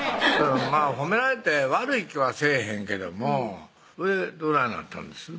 褒められて悪い気はせぇへんけどもほいでどないなったんです？